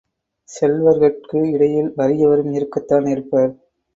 செல்வர்கட்கு இடையில் வறியவரும் இருக்கத்தான் இருப்பர்.